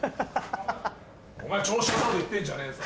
お前調子乗ったこと言ってんじゃねえぞ。